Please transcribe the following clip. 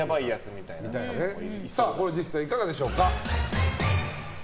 これ、実際いかがでしょうか。